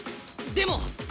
でも。